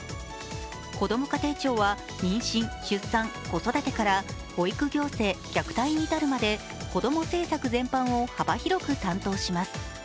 こども家庭庁は妊娠、出産、子育てから保育行政、虐待に至るまでこども政策全般を幅広く担当します。